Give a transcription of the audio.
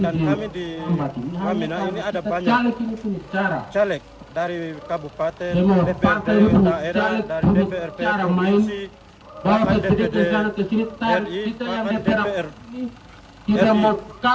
dan kami di waminah ini ada banyak caleg dari kabupaten dpr dpr pr provinsi bapak dpd ri bapak dpr ri